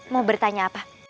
mau bertanya apa